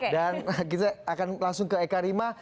dan kita akan langsung ke eka rima